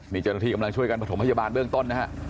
นี่เจ้าหน้าที่กำลังช่วยกันประถมพยาบาลเบื้องต้นนะฮะ